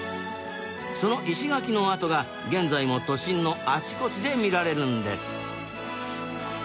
その石垣の跡が現在も都心のあちこちで見られるんです。